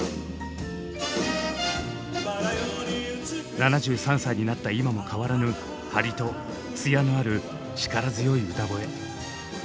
７３歳になった今も変わらぬ張りと艶のある力強い歌声。